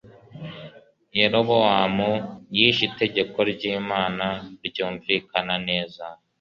Yerobowamu yishe itegeko ryImana ryumvikana neza